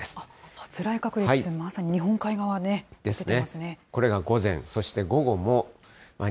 発雷確率、まさに日本海側、出てますね。